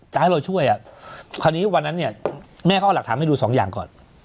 ให้เราช่วยอ่ะคราวนี้วันนั้นเนี่ยแม่เขาเอาหลักฐานให้ดูสองอย่างก่อน